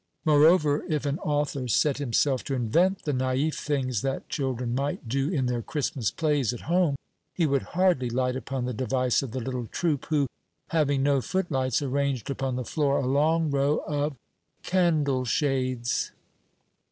Moreover, if an author set himself to invent the naif things that children might do in their Christmas plays at home, he would hardly light upon the device of the little troupe who, having no footlights, arranged upon the floor a long row of candle shades!